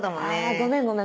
ごめんごめん